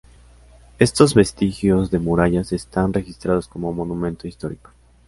Estos vestigios de murallas están registrados como Monumento Histórico.